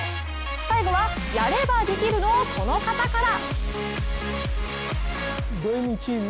最後は、やればできるのこの方から！